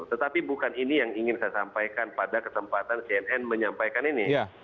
tetapi bukan ini yang ingin saya sampaikan pada kesempatan cnn menyampaikan ini